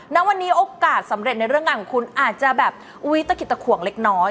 ณวันนี้โอกาสสำเร็จในเรื่องงานของคุณอาจจะแบบอุ๊ยตะกิดตะขวงเล็กน้อย